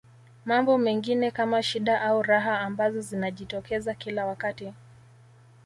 Mambo mengine kama shida au raha ambazo zinajitokeza kila wakati